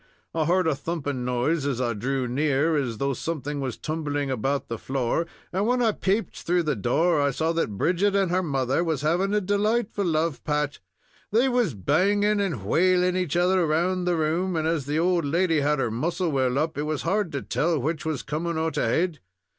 I heard a thumping noise as I drew near, as though something was tumbling about the floor, and when I peeped through the door, I saw that Bridget and her mother was having a delightful love pat. They was banging and whaling each other round the room, and, as the old lady had her muscle well up, it was hard to tell which was coming out ahead.